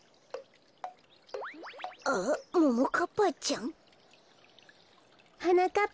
あっももかっぱちゃん？はなかっ